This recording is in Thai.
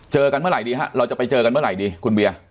กันเมื่อไหร่ดีฮะเราจะไปเจอกันเมื่อไหร่ดีคุณเบียร์